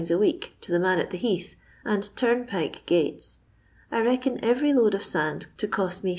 a week, to the man at the heathy and tnmpike gates, I reckon every load of sand to cost me 5f.